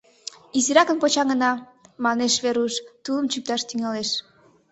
— Изиракын почаҥына, — манеш Веруш, тулым чӱкташ тӱҥалеш.